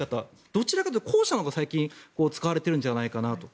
どちらかというと後者のほうが最近使われてるんじゃないかと。